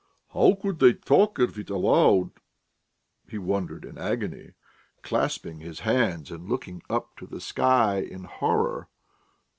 "How could they talk of it aloud!" he wondered in agony, clasping his hands and looking up to the sky in horror.